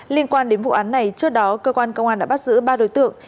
liên quan đến vụ án này trước đó cơ quan công an đã bắt giữ ba đối tượng